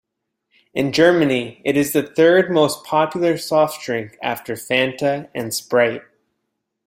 In Germany, it is the third most popular soft drink, after Fanta and Sprite.